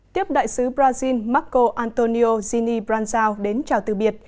tiếp đại sứ brazil marco antonio zini branzau đến chào từ biệt